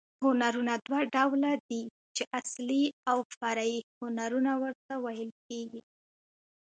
هنرونه دوه ډول دي، چي اصلي او فرعي هنرونه ورته ویل کېږي.